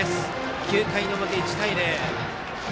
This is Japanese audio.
９回の表、１対０。